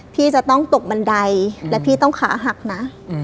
พี่จะต้องตกบันไดและพี่ต้องขาหักนะ